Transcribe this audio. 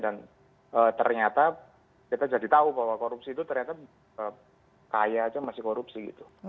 dan ternyata kita jadi tahu bahwa korupsi itu ternyata kaya aja masih korupsi gitu